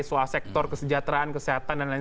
soal sektor kesejahteraan kesehatan dan lain